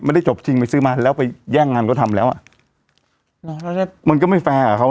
ไม่ได้จบจริงไปซื้อมาแล้วไปแย่งงานเขาทำแล้วอ่ะมันก็ไม่แฟร์กับเขา